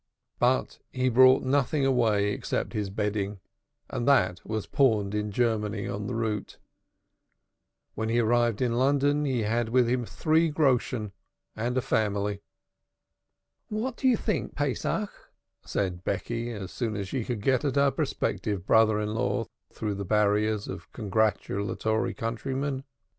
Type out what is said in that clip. But he brought nothing away except his bedding, and that was pawned in Germany on the route. When he arrived in London he had with him three groschen and a family. "What do you think, Pesach," said Becky, as soon as she could get at her prospective brother in law through the barriers of congratulatory countrymen.